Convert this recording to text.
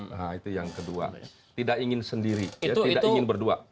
nah itu yang kedua tidak ingin sendiri ya tidak ingin berdua